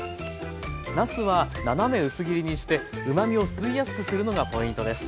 なすは斜め薄切りにしてうまみを吸いやすくするのがポイントです。